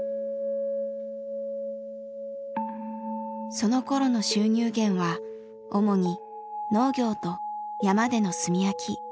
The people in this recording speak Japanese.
そのころの収入源は主に農業と山での炭焼き。